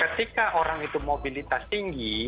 ketika orang itu mobilitas tinggi